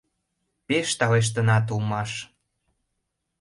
— Пеш талештынат улмаш!..